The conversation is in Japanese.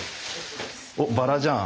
おっバラじゃん。